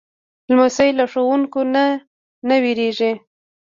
لمسی له ښوونکو نه نه وېرېږي.